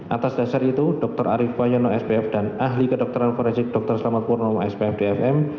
atas dasar itu dr arief wayono spf dan ahli kedokteran forensik dr selamat purnomo spf dfm